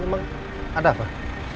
emang ada pak